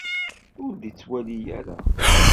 Ur d-ittwali ara.